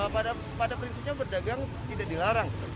pada prinsipnya berdagang tidak dilarang